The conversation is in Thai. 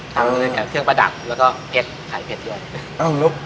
ทำอย่างเงี้ยเครื่องประดับแล้วก็เก็ตไข่เผ็ดด้วยเอ้าแล้ว